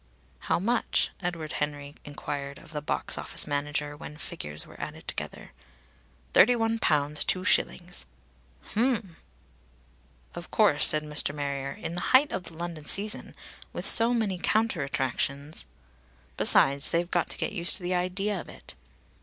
"How much?" Edward Henry enquired of the box office manager when figures were added together. "Thirty one pounds two shillings." "Hem!" "Of course," said Mr. Marrier. "In the height of the London season, with so many counter attractions ! Besides, they've got to get used to the idea of it."